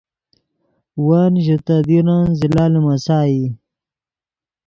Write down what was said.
ون ژے تے دیرن زلہ لیمَسائی